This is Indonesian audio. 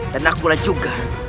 dan akulah juga